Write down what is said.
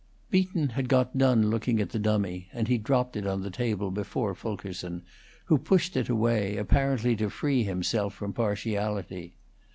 Beacon had got done looking at the dummy, and he dropped it on the table before Fulkerson, who pushed it away, apparently to free himself from partiality.